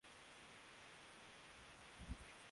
yamegundulika kupitishwa gambia na hatimaye kuwafikia waasi hao